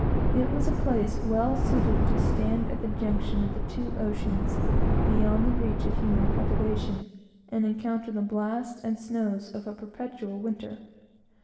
It was a place well suited to stand at the junction of the two oceans, beyond the reach of human cultivation, and encounter the blasts and snows of a perpetual winter.